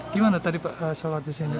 gimana tadi pak sholat di sini